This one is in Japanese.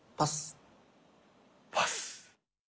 パス。